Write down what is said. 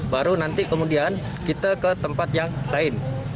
baru nanti kemudian kita ke tempat yang lain